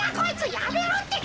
やめろってか！